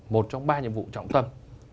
một trong ba nhiệm vụ trọng tâm